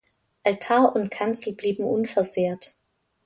Altar und Kanzel blieben unversehrt.